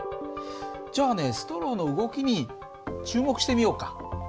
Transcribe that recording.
じゃあねストローの動きに注目してみようか。